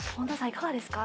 いかがですか？